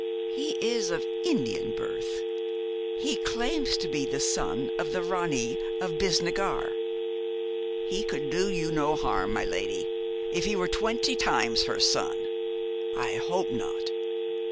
'He is of Indian birth. He claims to be the son of the Ranee of Bisnagar.' 'He could do you no harm, my lady, if he were twenty times her son.' 'I hope not.